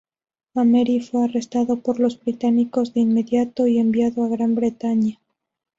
Amery fue arrestado por los británicos de inmediato y enviado a Gran Bretaña.